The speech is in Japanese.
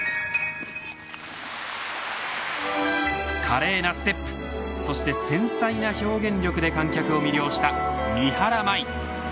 華麗なステップそして繊細な表現力で観客を魅了した三原舞依。